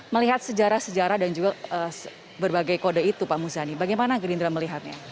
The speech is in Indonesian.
melihat sejarah sejarah dan juga berbagai kode itu pak muzani bagaimana gerindra melihatnya